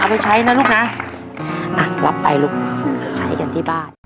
ไปใช้นะลูกนะอ่ะรับไปลูกใช้กันที่บ้าน